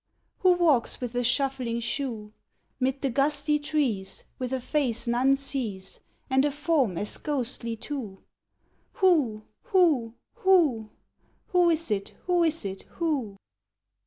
Who walks with a shuffling shoe, 'Mid the gusty trees, With a face none sees, And a form as ghostly too? Who, who, who! Who is it, who is it, who?"